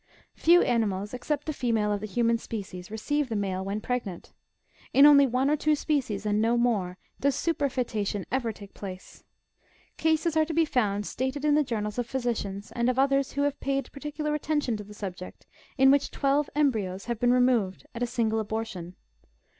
Few animals, except the female of the human species, re ceive the male when pregnant. In only one or two species, and no more, does superfoetation ever take place. ^^ Cases are to be found stated in the journals of physicians, and of others who have paid particular attention to the subject, in which twelve embryos ^^ have been removed at a single abortion.